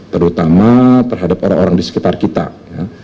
terutama terhadap orang orang di sekitar kita ya